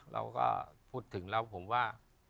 เราก็พูดถึงแล้วผมว่า